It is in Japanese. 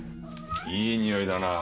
いいにおいだな。